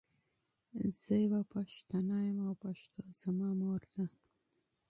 زۀ یو پښتون یم او پښتو زما مور ده.